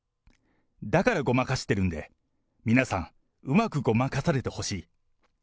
だからごまかしているんで、皆さん、うまくごまかされてほしい。